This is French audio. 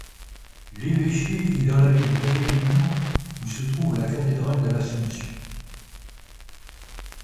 L'évêché est dans la ville d'Avellino où se trouve la cathédrale de l'Assomption.